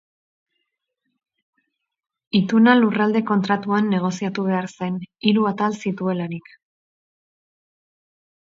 Ituna Lurralde Kontratuan negoziatu behar zen, hiru atal zituelarik.